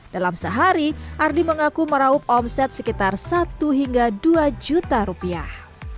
dalam sehari ardi mengaku meraup omset sekitar satu hingga dua juta rupiah